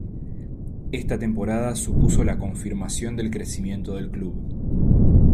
Esta temporada supuso la confirmación del crecimiento del Club.